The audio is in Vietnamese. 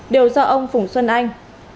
đều do ông phùng xuân anh